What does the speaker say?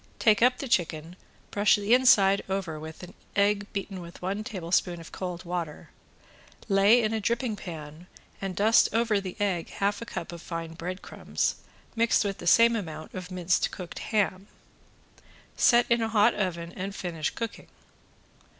Take up the chicken, brush the inside over with an egg beaten with one tablespoon of cold water, lay in a dripping pan and dust over the egg half a cup of fine bread crumbs mixed with the same amount of minced cooked ham. Set in a hot oven and finish cooking.